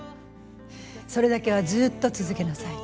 それだけはずっと続けなさい。